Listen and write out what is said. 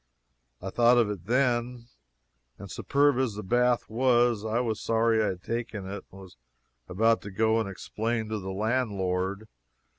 I thought of it then, and superb as the bath was, I was sorry I had taken it, and was about to go and explain to the landlord.